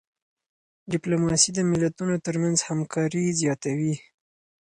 ډيپلوماسي د ملتونو ترمنځ همکاري زیاتوي.